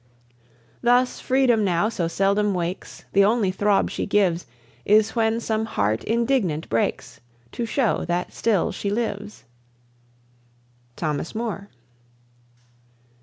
Thus Freedom now so seldom wakes, The only throb she gives Is when some heart indignant breaks, To show that still she lives. THOMAS MOORE.